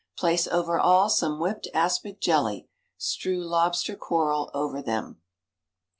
Place over all some whipped aspic jelly; strew lobster coral over them.